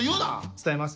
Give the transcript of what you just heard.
伝えます